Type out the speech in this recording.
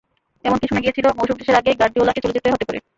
এমনকি শোনা গিয়েছিল, মৌসুম শেষের আগেই গার্দিওলাকে চলে যেতে হতে পারে।